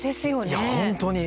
いや本当に。